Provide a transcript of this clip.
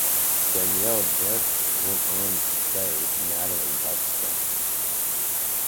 Dannielle Brent went on to play Natalie Buxton.